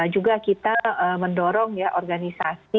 juga kita mendorong ya organisasi